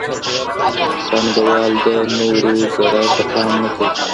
پانګه وال د نورو ضرر ته پام نه کوي.